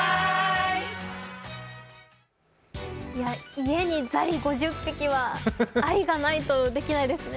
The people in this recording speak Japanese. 家にザリ５０匹は愛がないとできないですね。